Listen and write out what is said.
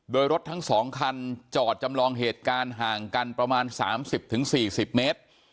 โดยรถทั้ง๒คันจอดจำลองเหตุการณ์ห่างกันประมาณ๓๐๔๐เมตร